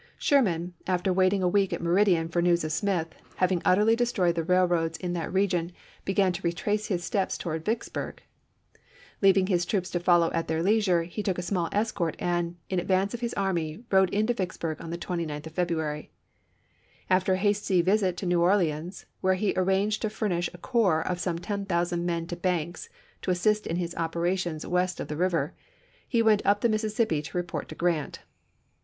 Sherman, after waiting a week at Meridian for news of Smith, having utterly destroyed the rail roads in that region, began to retrace his steps towards Vicksburg. Leaving his troops to follow 332 ABRAHAM LINCOLN CH. XIII. at their leisure he took a small escort and, in ad 18M. vance of his army, rode into Vicksburg on the 29th of February. After a hasty visit to New Orleans, where he arranged to furnish a corps of some ten thousand men to Banks to assist in his opera tions west of the river, he went up the Mississippi to report to Grant.